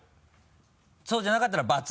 そうじゃなかったら×。